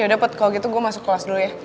yaudah pot kalau gitu gue masuk kelas dulu ya